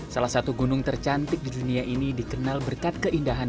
salah satu gunung tercantik di dunia ini dikenal berkat keindahan